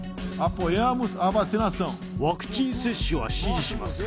ワクチン接種は支持します。